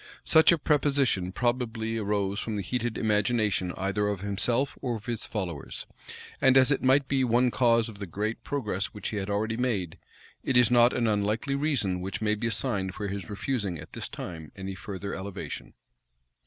Such a prepossession probably arose from the heated imagination either of himself or of his followers; and as it might be one cause of the great progress which he had already made, it is not an unlikely reason which may be assigned for his refusing at this time any further elevation.